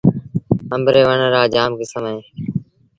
آݩب ري وڻ رآ جآم ڪسم ٿئيٚݩ دآ۔